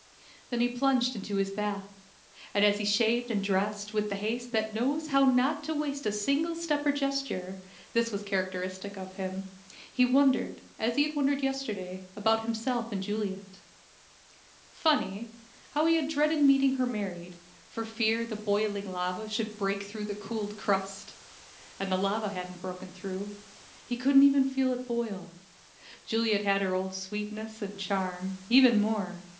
Then he plunged into his bath, and as he shaved and dressed with the haste that knows how not to waste a single step or gesture (this was characteristic of him) he wondered, as he had wondered yesterday, about himself and Juliet. Funny, how he had dreaded meeting her married, for fear the boiling lava should break through the cooled crust! And the lava hadn't broken through. He couldn't even feel it boil. Juliet had her old sweetness, and charm even more.